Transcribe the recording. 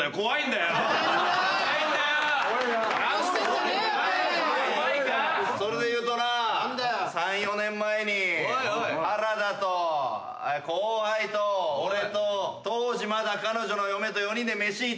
それでいうとな３４年前に原田と後輩と俺と当時まだ彼女の嫁と４人で飯行ったな？